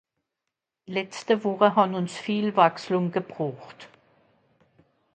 D’letschte Wùche hàn ùns viel Changement gebroocht.